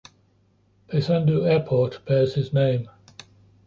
Paysandú Airport bears his name.